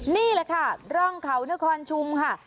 นี่แหละค่ะร่องเขานครชุมค่ะ